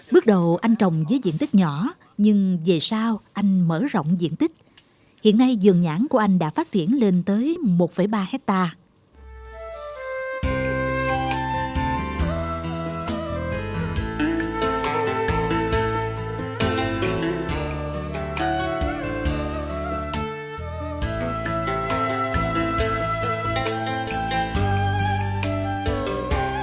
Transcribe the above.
bước đầu anh trồng với diện tích nhỏ nhưng về sau anh mở rộng diện tích hiện nay giường nhãn của anh đã phát triển lên tới một ba hectare